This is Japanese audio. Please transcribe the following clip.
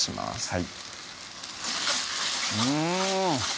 はいうん！